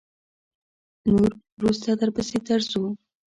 نور وروسته درپسې درځو.